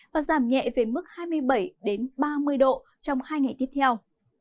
và giảm nhẹ về mức hai mươi bảy ba mươi độ trong hai ngày tiếp theo